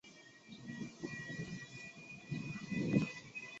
国际君主主义者会议经常被左翼攻击为是在鼓吹保守和专制。